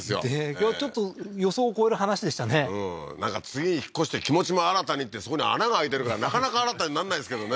今日ちょっと予想を超える話でしたねなんか次に引っ越して気持ちも新たにってそこに穴が開いてるからなかなか新たになんないですけどね